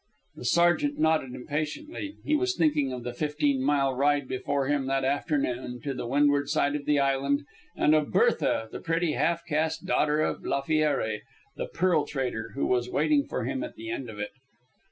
The sergeant nodded impatiently. He was thinking of the fifteen mile ride before him that afternoon, to the windward side of the island, and of Berthe, the pretty half caste daughter of Lafiere, the pearl trader, who was waiting for him at the end of it.